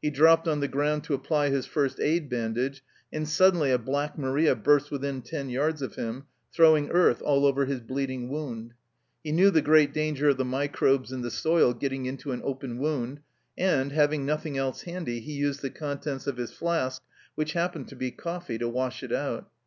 He dropped on the ground to apply his first aid bandage, and suddenly a "Black Maria" burst within ten yards of him, throwing earth all over his bleeding wound. He knew the great danger of the microbes in the soil getting into an open wound, and, having nothing else handy, he used the contents of his flask, which happened to be coffee, to wash it out.